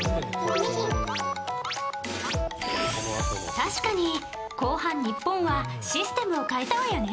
確かに後半、日本はシステムを変えたわよね！